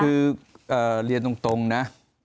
คือเรียนตรงนะ